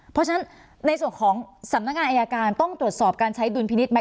เพราะฉะนั้นในส่วนของสำนักงานอายการต้องตรวจสอบการใช้ดุลพินิษฐไหม